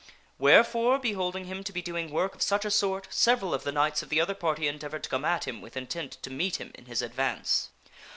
Wherefore, beholding him to be doing work of such a sort, several of the knights of the other party endeavored to come at him with intent to meet him in his advance.